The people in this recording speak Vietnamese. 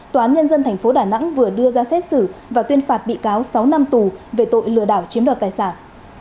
tòa án nhân dân tp đà nẵng vừa đưa ra xét xử và tuyên phạt bị cáo sáu năm tù về tội lừa đảo chiếm đoạt tài sản